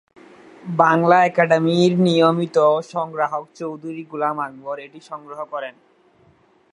বাংলা একাডেমীর নিয়মিত সংগ্রাহক চৌধুরী গোলাম আকবর এটি সংগ্রহ করেন।